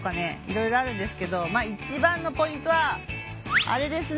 色々あるんですけどまあ一番のポイントはあれですね。